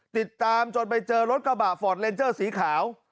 ติดตามจนไปเจอรถกระบะฟอร์ดเลนเจอร์สีขาว